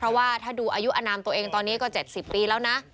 เพราะว่าถ้าดูอายุอนามตัวเองตอนนี้ก็๗๐ปีแล้วนะ